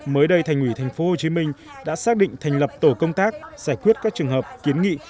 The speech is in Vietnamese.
mới đây thành ủy tp hcm đã xác định thành lập tổ công tác giải quyết các trường hợp kiến nghị